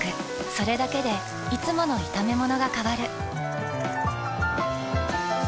それだけでいつもの炒めものが変わる。